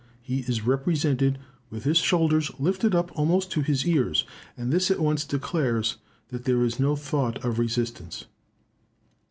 He is represented with his shoulders lifted up almost to his ears; and this at once declares that there is no thought of resistance.